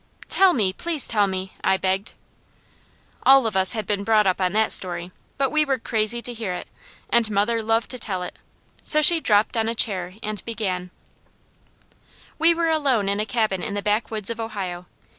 "Tell me! Please tell me!" I begged. All of us had been brought up on that story, but we were crazy to hear it, and mother loved to tell it, so she dropped on a chair and began: "We were alone in a cabin in the backwoods of Ohio.